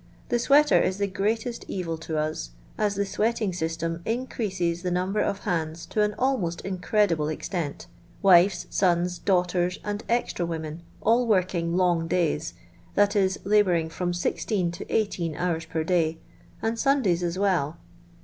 The sweater is the greatest evil to us ; as the sweating system increases the number of hands to an almost in credible extent — wires, sons, daughters, and extra women, all working ' long days '— that is, labouring from sixteen to eighteen hours per day, and Sundays as well.